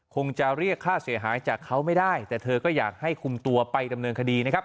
คงจะเรียกค่าเสียหายจากเขาไม่ได้แต่เธอก็อยากให้คุมตัวไปดำเนินคดีนะครับ